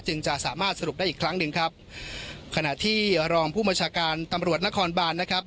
จะสามารถสรุปได้อีกครั้งหนึ่งครับขณะที่รองผู้บัญชาการตำรวจนครบานนะครับ